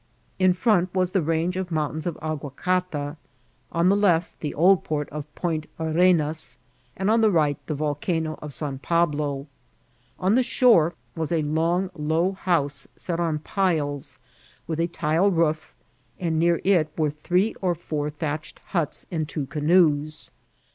In front was the range of mountains of Aguacata, on the left the old port of Pont Arenas, and on Ac right the Volcano of San Pablo* On the shore was a long low house set upon piles, with a tile roof, and near it were three or four thatched huts and two canoes.